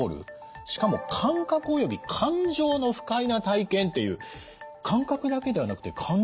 しかも「感覚および感情の不快な体験」っていう感覚だけではなくて感情も不快。